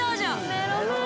メロメロ